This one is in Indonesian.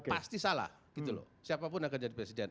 pasti salah gitu loh siapapun yang akan jadi presiden